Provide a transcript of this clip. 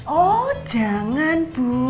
oh jangan bu